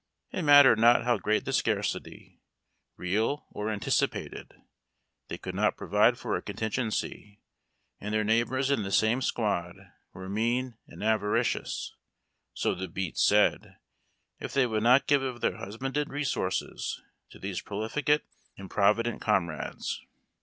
It mattered not how great the scarcity, real or anticipated, they could not provide for a contingency, and their neighbors in the same squad were mean and avaricious — so the beats said — if they would not give of their husbanded resources to these profligate, improvident comrades.